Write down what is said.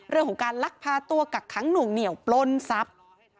เรื่องของการลักพาตัวกักขังหน่วงเหนียวปล้นทรัพย์